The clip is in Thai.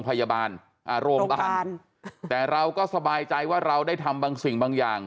พยาบาลอ่าโรงพยาบาลแต่เราก็สบายใจว่าเราได้ทำบางสิ่งบางอย่าง